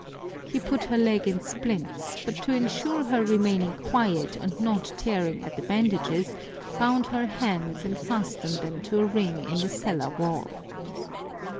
He put her leg in splints, but to ensure her remaining quiet and not tearing at the bandages, bound her hands and fastened them to a ring in the cellar wall.